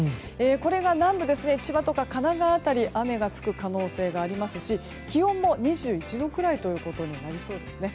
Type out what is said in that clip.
これが南部千葉と神奈川辺りで雨がつく可能性がありますし気温も２１度くらいとなりそうですね。